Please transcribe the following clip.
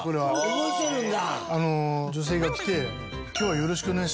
覚えてるんだ！